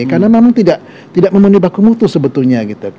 karena memang tidak memenuhi baku mutu sebetulnya